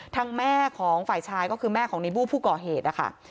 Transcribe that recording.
แม่ของฝ่ายชายก็คือแม่ของในบู้ผู้ก่อเหตุนะคะ